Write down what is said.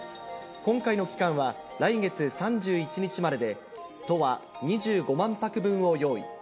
今回の期間は来月３１日までで、都は２５万泊分を用意。